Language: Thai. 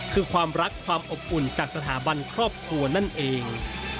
คือความรักความอบอุ่นจากสถาบันครอบครัวนั่นเอง